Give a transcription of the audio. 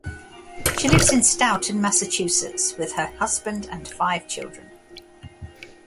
She lives in Stoughton, Massachusetts with her husband and five children.